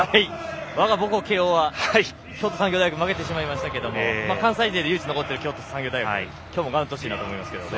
我が母校、慶応は京都産業大学に負けてしまいましたが関西勢で唯一、残っている京都産業大学今日も頑張ってほしいです。